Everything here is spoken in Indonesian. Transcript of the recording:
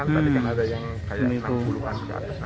tadi kan ada yang kayak enam puluh an ke atas enam puluh lima